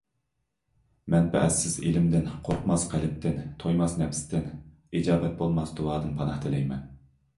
مەنپەئەتسىز ئىلىمدىن، قورقماس قەلبتىن، تويماس نەپستىن، ئىجابەت بولماس دۇئادىن پاناھ تىلەيمەن.